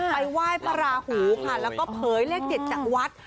ไปไหว้พระราหูค่ะแล้วก็เผยเลขเด็ดจากวัด